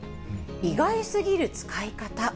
意外すぎる使い方。